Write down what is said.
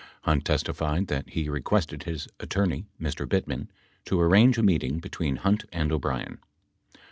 12 Hunt testified that he re quested his attorney, Mr. Bittman, to arrange a meeting between Hunt and O'Brien.